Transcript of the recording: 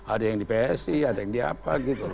ada yang di psi ada yang di apa gitu